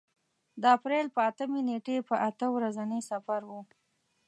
د اپرېل په اتمې نېټې په اته ورځني سفر و.